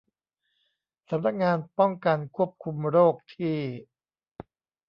สำนักงานป้องกันควบคุมโรคที่